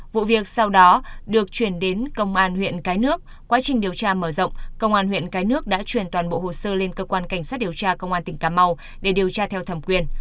vụ việc sau đó được chuyển đến công an huyện cái nước quá trình điều tra mở rộng công an huyện cái nước đã truyền toàn bộ hồ sơ lên cơ quan cảnh sát điều tra công an tỉnh cà mau để điều tra theo thẩm quyền